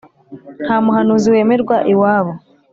ntamuhanuzi wemerwa iwabo